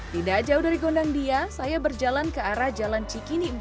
tidak jauh dari gondang dia saya berjalan ke arah jalan cikini empat